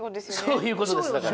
そういうことですだから。